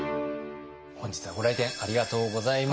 本日はご来店ありがとうございます。